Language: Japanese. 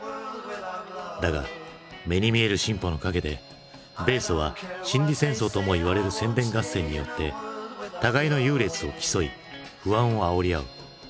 だが目に見える進歩の陰で米ソは「心理戦争」ともいわれる宣伝合戦によって互いの優劣を競い不安をあおり合う。